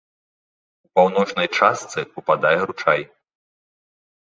У паўночнай частцы ўпадае ручай.